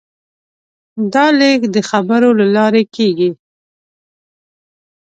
دا لېږد د خبرو له لارې کېږي.